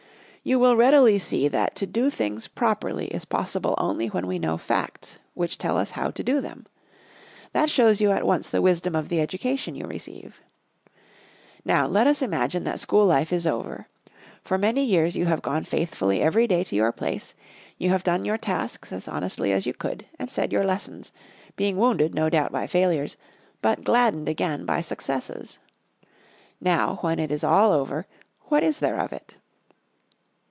You will readily see that to do things properly is possible only when we know facts which tell us how to do them. That shows you at once the wisdom of the education you receive. Now, let us imagine that school life is over. For many years you have gone faithfully every day to your place, you have done your tasks as honestly as you could, and said your lessons, being wounded no doubt by failures, but gladdened again by successes. Now, when it is all over, what is there of it?